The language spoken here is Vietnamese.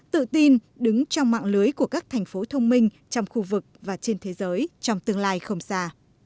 tự tin đứng trong mạng lưới của các thành phố thông minh trong khu vực và trên thế giới trong tương lai không xa